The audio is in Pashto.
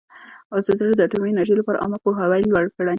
ازادي راډیو د اټومي انرژي لپاره عامه پوهاوي لوړ کړی.